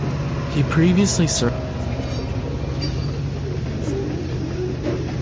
He previously served as a judge of the Timberville Municipal Court.